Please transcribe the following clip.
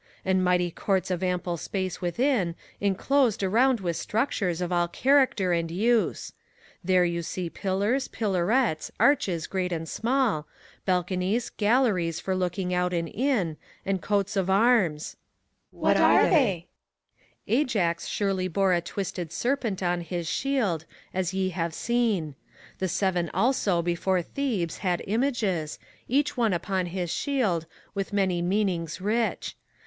And mighty courts of ample space within, enclosed 152 FAUST, Around with structures of all character and use. There you see pillars, pillarets, arches great arid small, Balconies, galleries for looking out and in, And coats of arms. CHORUS. What are they? PHOBKYAS. Ajax surely bore A twisted serpent on his shield, as ye have seen. The Seven also before Thebes had images, Each one upon his shield, with many meanings rich.